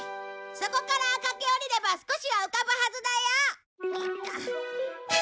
そこから駆け降りれば少しは浮かぶはずだよ！